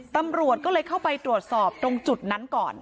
ตำรวจก็เลยเข้าไปตรวจสอบตรงจุดนั้นก่อน